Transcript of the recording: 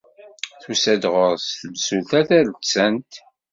Tusa-d ɣur-s temsulta taredsant.